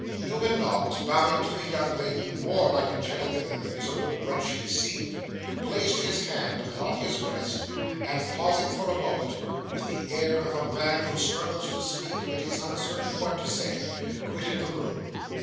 Newman Noggs, bowing to the young lady more like a gentleman than the miserable wretch he seemed, placed his hand upon his breast, and, pausing for a moment, with the air of a man who struggles to speak but is uncertain what to say, quitted the room.